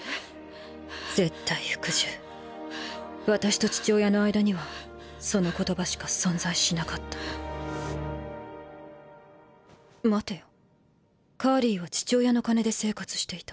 絶対服従ーー私と父親の間にはその言葉しか存在しなかった待てよカーリーは父親の金で生活していた。